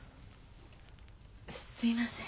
すみません。